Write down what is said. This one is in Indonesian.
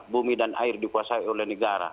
bumi dan air dikuasai oleh negara